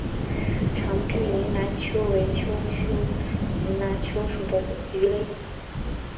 长臀云南鳅为鳅科云南鳅属的鱼类。